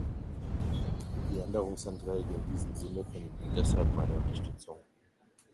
Die Änderungsanträge in diesem Sinne finden deshalb meine Unterstützung.